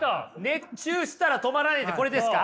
熱中したら止まらないってこれですか？